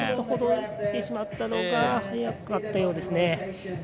ほどいてしまったのが早かったようですね。